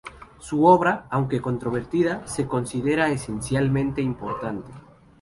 Su obra, aunque controvertida, se considera esencialmente importante.